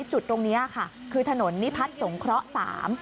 จุดตรงนี้ค่ะคือถนนนิพัฒน์สงเคราะห์สาม